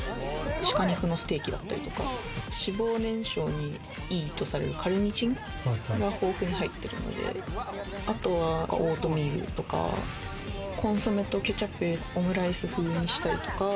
鹿肉のステーキだったりとか、脂肪燃焼に良いとされるカルニチンが豊富に入っているので、あとはオートミールとか、コンソメとケチャップでオムライス風にしたりとか。